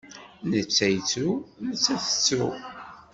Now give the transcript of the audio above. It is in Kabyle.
Netta yettru, nettat tettru.